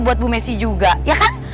buat bu messi juga ya